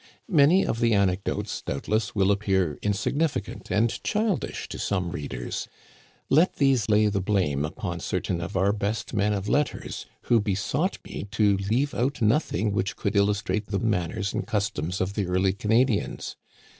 Many of the anecdotes, doubtless, will appear insig nificant and childish to some readers. Let these lay the blame upon certain of our best men of letters, who be sought me to leave out nothing which could illustrate the manners and customs of the early Canadians.